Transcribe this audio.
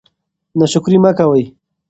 ناشکري مه کوئ.